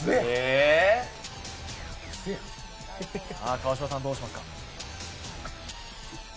川島さん、どうしますか？